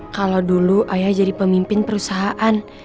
kalau dulu ayah jadi pemimpin perusahaan